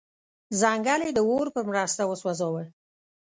ځنګل یې د اور په مرسته وسوځاوه.